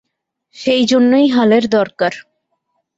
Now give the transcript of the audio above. সেইজন্যই হালের দরকার।